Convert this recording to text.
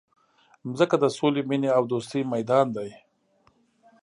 مځکه د سولي، مینې او دوستۍ میدان دی.